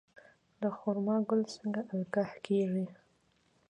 د خرما ګل څنګه القاح کیږي؟